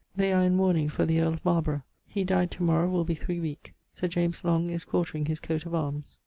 They are in mourning for the earl of Marleborow. He died to morrow will be three week. Sir J L is quartring his coat of arms.